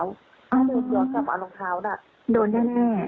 ถ้าเดินย้อนกลับมารองเท้าน่ะโดนแน่